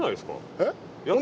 えっ？